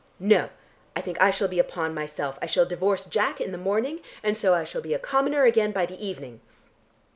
No, I think I shall be a pawn myself. I shall divorce Jack in the morning, and so I shall be a commoner again by the evening.